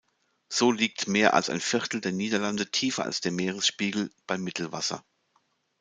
So liegt mehr als ein Viertel der Niederlande tiefer als der Meeresspiegel bei Mittelwasser.